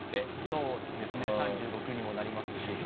そうですね３６にもなりますし。